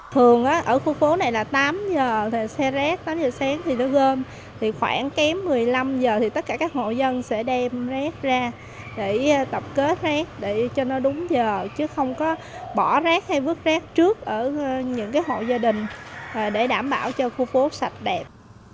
thường ở khu phố này là tám giờ thì xe rác tám giờ sáng thì nó gơm thì khoảng kém một mươi năm giờ thì tất cả các hộ dân sẽ đem rác ra để tập kết rác để cho nó đúng giờ chứ không có bỏ rác hay vứt rác trước ở những hộ gia đình để đảm bảo cho khu phố sạch đẹp